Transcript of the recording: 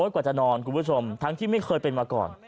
กว่าจะนอนคุณผู้ชมทั้งที่ไม่เคยเป็นมาก่อน